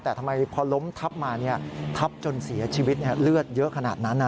แต่ทำไมพอล้มทับมาทับจนเสียชีวิตเลือดเยอะขนาดนั้น